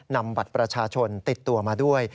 นำบัตรประชาชนติดตัวมาด้วย